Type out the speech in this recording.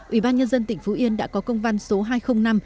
ủy ban nhân dân tỉnh phú yên đã có công văn số hai trăm linh năm